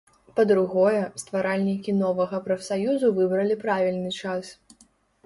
Па-другое, стваральнікі новага прафсаюзу выбралі правільны час.